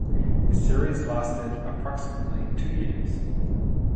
The series lasted approximately two years.